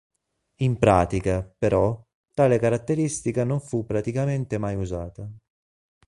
In pratica, però, tale caratteristica non fu praticamente mai usata.